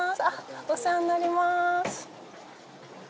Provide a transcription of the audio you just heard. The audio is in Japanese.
お世話になります。